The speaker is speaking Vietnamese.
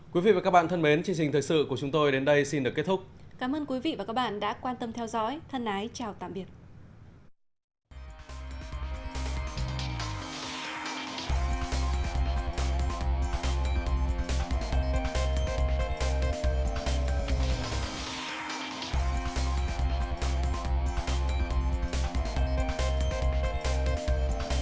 cảm ơn các bạn đã theo dõi và hẹn gặp lại